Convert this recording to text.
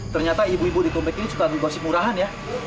ternyata ibu ibu di tumbek ini suka bergosip murahan ya